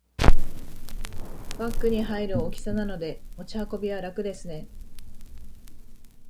バッグに入る大きさなので持ち運びは楽ですね